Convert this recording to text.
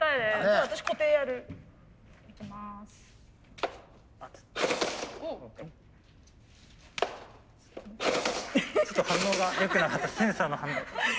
ちょっと反応が良くなかったセンサーの反応。